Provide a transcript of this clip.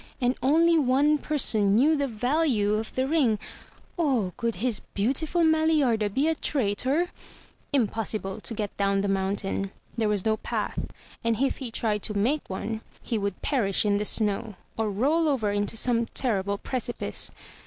And only one person knew the value of the ring —! Oh, could his beautiful Maliarda be a traitor? Impossible to get down the mountain. There was no path; and if he tried to make one, he would perish in the snow, or roll over into some terrible precipice.